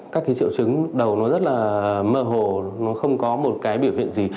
các cái triệu chứng đầu nó rất là mơ hồ nó không có một cái biểu hiện gì